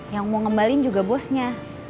yang mau ngembalin juga bosnya